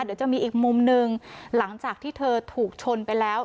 เดี๋ยวจะมีอีกมุมหนึ่งหลังจากที่เธอถูกชนไปแล้ว